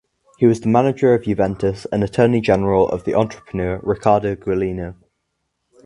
He was manager of Juventus and attorney general of the entrepreneur Riccardo Gualino.